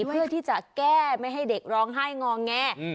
เพื่อที่จะแก้ไม่ให้เด็กร้องไห้งอแง